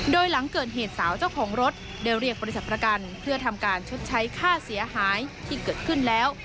โดยหลังเกิดเหตุสาวเจ้าของรถได้เรียกบริษัทประกันเพื่อทำการชดใช้ค่าเสียหายที่เกิดขึ้นแล้ว